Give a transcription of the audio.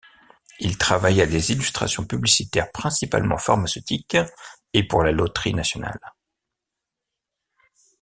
Il travaille à des illustrations publicitaires principalement pharmaceutiques et pour la loterie nationale.